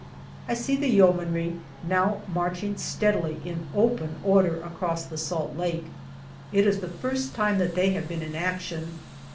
I see the Yeomanry now marching steadily in open order across the Salt Lake. It is the first time that they have been in action.